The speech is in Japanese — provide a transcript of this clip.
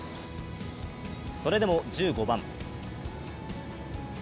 それでも１５番。